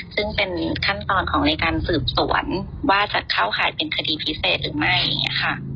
ซึ่งเป็นขั้นตอนของในการสืบสวนว่าจะเข้าข่ายเป็นคดีพิเศษหรือไม่อย่างนี้ค่ะ